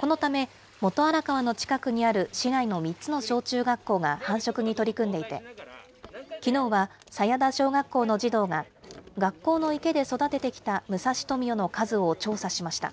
このため、元荒川の近くにある市内の３つの小中学校が繁殖に取り組んでいて、きのうは佐谷田小学校の児童が学校の池で育ててきたムサシトミヨの数を調査しました。